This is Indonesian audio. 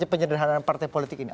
penyederhanaan partai politik ini